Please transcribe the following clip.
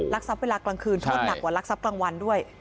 ทรัพย์เวลากลางคืนโทษหนักกว่ารักทรัพย์กลางวันด้วย